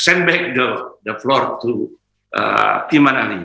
saya mengirimkan papan ke iman ani